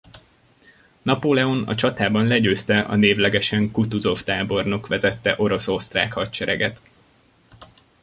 Napóleon a csatában legyőzte a névlegesen Kutuzov tábornok vezette orosz–osztrák hadsereget.